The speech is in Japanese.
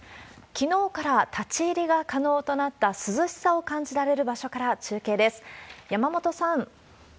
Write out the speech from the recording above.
きのうから立ち入りが可能となった、涼しさを感じられる場所から中継です。